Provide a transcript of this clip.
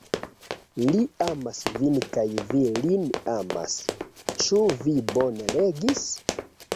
Li amas vin kaj vi lin amas! Ĉu mi bone legis?